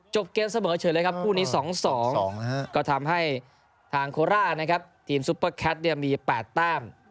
เกมเสมอเฉยเลยครับคู่นี้๒๒ก็ทำให้ทางโคราชนะครับทีมซุปเปอร์แคทมี๘แต้ม